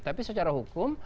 tapi secara hukum